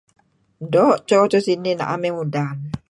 Doo' cho so sinih na'em iyeh mudan